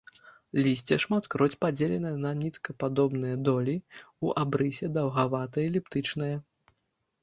Лісце шматкроць падзеленае на ніткападобныя долі, у абрысе даўгавата-эліптычнае.